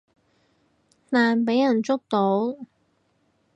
但畀人捉到